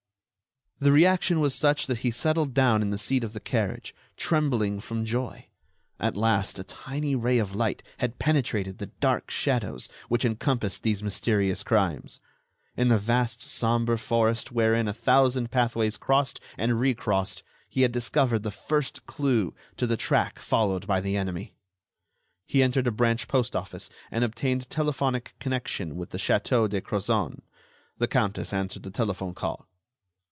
The reaction was such that he settled down in the seat of the carriage, trembling from joy. At last, a tiny ray of light had penetrated the dark shadows which encompassed these mysterious crimes! In the vast sombre forest wherein a thousand pathways crossed and re crossed, he had discovered the first clue to the track followed by the enemy! He entered a branch postoffice and obtained telephonic connection with the château de Crozon. The Countess answered the telephone call.